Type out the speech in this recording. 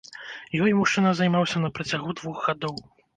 Ёй мужчына займаўся на працягу двух гадоў.